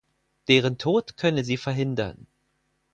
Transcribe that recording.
Deren Tod könne sie verhindern.